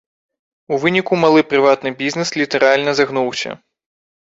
У выніку малы прыватны бізнес літаральна загнуўся.